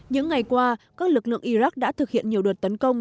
những ngày qua các lực lượng iraq đã thực hiện nhiều đợt tấn công